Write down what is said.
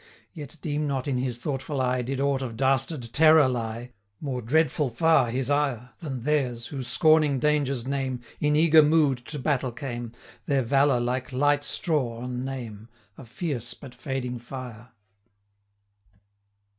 60 Yet deem not in his thoughtful eye Did aught of dastard terror lie; More dreadful far his ire, Than theirs, who, scorning danger's name, In eager mood to battle came, 65 Their valour like light straw on name, A fierce but fading fire.